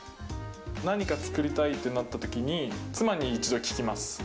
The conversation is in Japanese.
何か作りたいってなったときに、妻に一度、聞きます。